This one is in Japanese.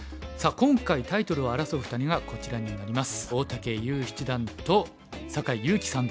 今回タイトルを争う２人がこちらになります。